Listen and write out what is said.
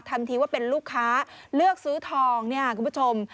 ทำทีว่าเป็นลูกค้าเลือกซื้อทองเนี่ยคุณผู้ชม